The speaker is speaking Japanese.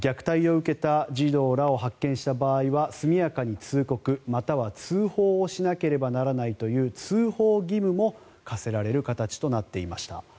虐待を受けた児童らを発見した場合には速やかに通告または通報をしなければならないという通報義務も課せられる形となっていました。